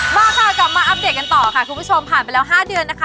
มาค่ะกลับมาอัปเดตกันต่อค่ะคุณผู้ชมผ่านไปแล้ว๕เดือนนะคะ